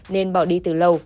nên bỏ đi từ lâu